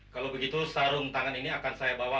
kalau begitu sarung tangan ini akan saya bawa